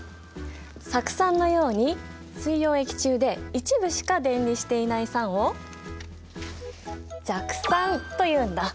酢酸のように水溶液中で一部しか電離していない酸を弱酸というんだ。